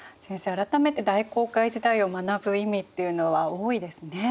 改めて大航海時代を学ぶ意味っていうのは多いですね。